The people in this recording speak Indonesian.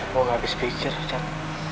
mau gak habis pikir chan